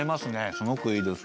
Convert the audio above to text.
すごくいいです。